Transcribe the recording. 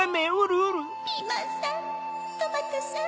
ピーマンさんトマトさん。